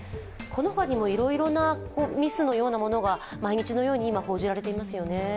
このほかにも、いろいろなミスのようなものが毎日のように今、報じられていますよね。